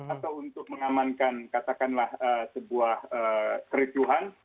atau untuk mengamankan katakanlah sebuah kericuhan